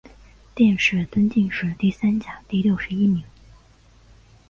殿试登进士第三甲第六十一名。